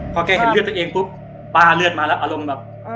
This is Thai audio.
พอแกเห็นเลือดตัวเองปุ๊บป้าเลือดมาแล้วอารมณ์แบบ